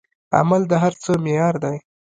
عمل د هر څه معیار دی.